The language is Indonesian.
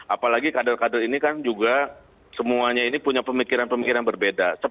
apalagi kader kader ini kan juga semuanya ini punya pemikiran pemikiran berbeda